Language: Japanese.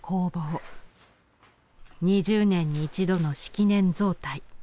２０年に１度の式年造替。